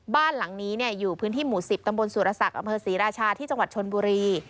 บ้านหลังนี้อยู่พื้นที่หมู่๑๐ตำบลสุรศักดิ์อำเภอศรีราชาที่จังหวัดชนบุรี